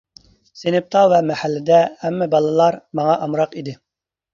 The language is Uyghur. سىنىپتا ۋە مەھەللىدە ھەممە باللار ماڭا ئامراق ئىدى.